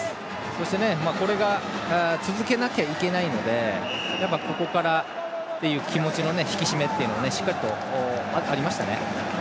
そしてこれを続けなきゃいけないのでここからっていう気持ちの引き締めもしっかりとありましたね。